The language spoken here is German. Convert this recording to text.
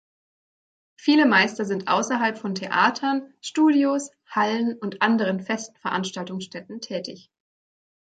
Viele Meister sind außerhalb von Theatern, Studios, Hallen und anderen festen Veranstaltungsstätten tätig.